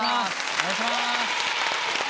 お願いします！